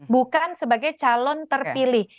bukan sebagai calon terpilih